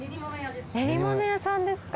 練り物屋さんですか。